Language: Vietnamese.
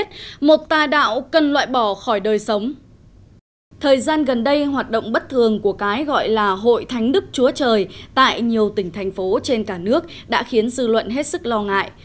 thời gian gần đây hoạt động bất thường của cái gọi là hội thánh đức chúa trời tại nhiều tỉnh thành phố trên cả nước đã khiến dư luận hết sức lo ngại